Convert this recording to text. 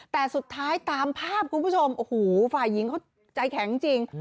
แต่สุดท้ายตามภาพคุณผู้ชมโอ้โหฝ่ายหญิงเขาใจแข็งจริง